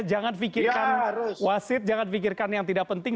jangan pikirkan wasit jangan pikirkan yang tidak penting